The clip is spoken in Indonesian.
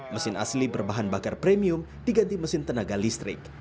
mesin asli berbahan bakar premium diganti mesin tenaga listrik